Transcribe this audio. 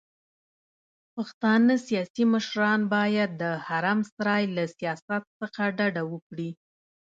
پښتانه سياسي مشران بايد د حرم سرای له سياست څخه ډډه وکړي.